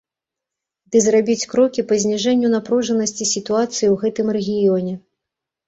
Ды зрабіць крокі па зніжэнню напружанасці сітуацыі ў гэтым рэгіёне.